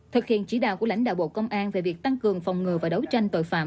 thực hiện chỉ đạo của lãnh đạo bộ công an về việc tăng cường phòng ngừa và đấu tranh tội phạm